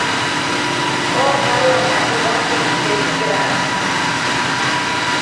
Ovalwa madu ghake ghisesikiragha